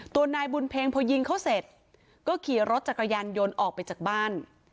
ตัวนายบุญเพ็งพอยิงเขาเสร็จก็ขี่รถจักรยานยนต์ออกไปจากบ้าน